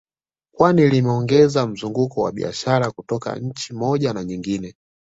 Kwani limeongeza mzunguko wa biashara kutoka nchi moja na nyingine